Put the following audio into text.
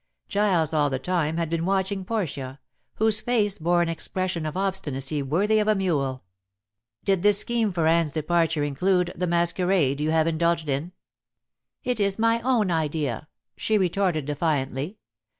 Giles all the time had been watching Portia, whose face bore an expression of obstinacy worthy of a mule. "Did this scheme for Anne's departure include the masquerade you have indulged in?" "It is my own idea," she retorted defiantly.